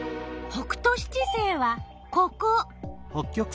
北斗七星はここ。